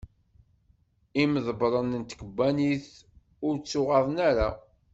Imḍebren n tkebbanit ur ttuɣaḍen ara.